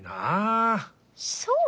そう？